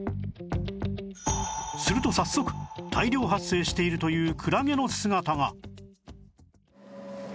すると早速大量発生しているというクラゲの姿が